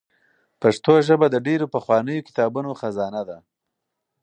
پښتو ژبه د ډېرو پخوانیو کتابونو خزانه ده.